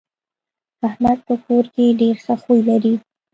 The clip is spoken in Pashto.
احمد په کور کې ډېر ښه خوی لري.